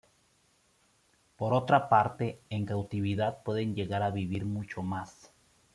Por otra parte, en cautividad pueden llegar a vivir mucho más.